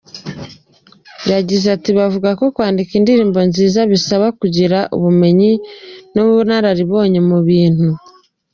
Yagize ati :”Bavuga ko kwandika indirimbo nziza bisaba kugira ubumenyi n’ubunararibonye mu bintu.